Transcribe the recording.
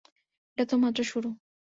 এটা তো মাত্র শুরু!